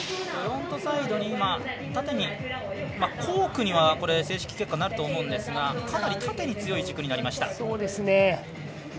フロントサイドに縦にコークには正式結果なると思うんですがかなり縦に強い軸になりました。